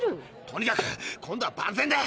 とにかく今度は万全だ。